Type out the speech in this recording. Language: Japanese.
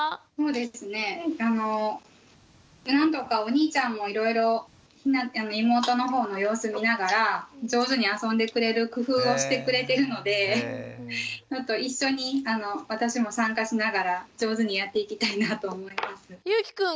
そうですねなんとかお兄ちゃんもいろいろ妹の方の様子見ながら上手に遊んでくれる工夫をしてくれてるので一緒に私も参加しながら上手にやっていきたいなと思います。